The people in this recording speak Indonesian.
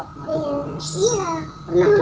karena udah sering kaya gitu